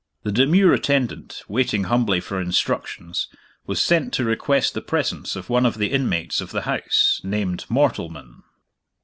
The demure attendant, waiting humbly for instructions, was sent to request the presence of one of the inmates of the house, named Mortleman.